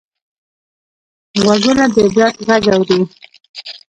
غوږونه د عبرت غږ اوري